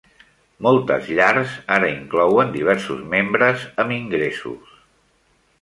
Moltes llars ara inclouen diversos membres amb ingressos.